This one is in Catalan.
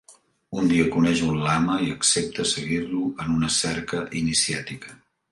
Un dia coneix un lama i accepta seguir-lo en una cerca iniciàtica.